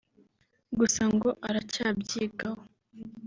gusa ngo aracyabyigaho